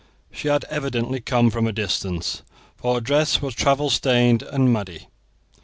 She had evidently come from a distance, for her dress was travel stained and muddy.